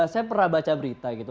saya pernah baca berita gitu